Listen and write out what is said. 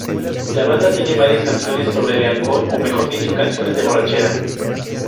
La banda tiene varias canciones sobre el alcohol, o mejor dicho canciones de borrachera.